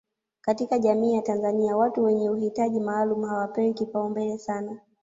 katika jamii ya Tanzania watu wenye uhitaji maalum hawapewi kipaumbele sana